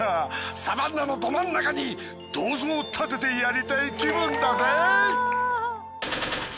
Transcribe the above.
サバンナのど真ん中に銅像を建ててやりたい気分だぜ。